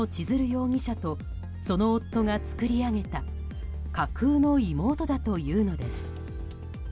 容疑者とその夫が作り上げた架空の妹だというのです。